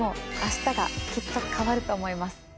あしたがきっと変わると思います。